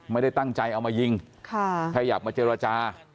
ไม่ได้ตั้งใจเอามายิงแค่อยากมาเจรจา